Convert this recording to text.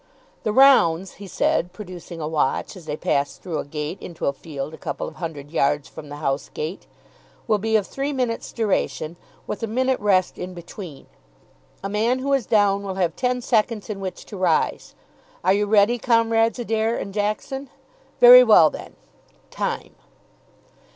"The rounds," he said, producing a watch, as they passed through a gate into a field a couple of hundred yards from the house gate, "will be of three minutes' duration, with a minute rest in between. A man who is down will have ten seconds in which to rise. Are you ready, Comrades Adair and Jackson? Very well, then. Time."